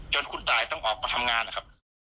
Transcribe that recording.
คุณตายต้องออกมาทำงานนะครับ